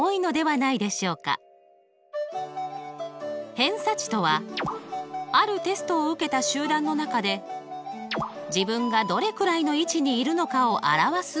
偏差値とはあるテストを受けた集団の中で自分がどれくらいの位置にいるのかを表す値です。